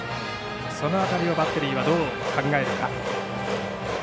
その辺りをバッテリーはどう考えるか。